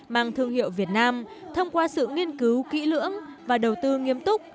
mang thương hiệu việt nam thông qua sự nghiên cứu kỹ lưỡng và đầu tư nghiêm túc